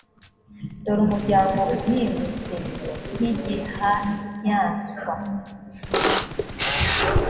dore umuryango uhingutse nk’igihanyaswa.